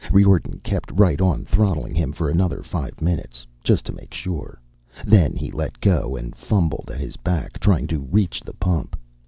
Riordan kept right on throttling him for another five minutes, just to make sure. Then he let go and fumbled at his back, trying to reach the pump.